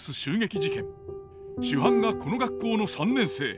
主犯がこの学校の３年生。